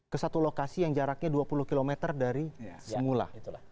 ke satu lokasi yang jaraknya dua puluh km dari semula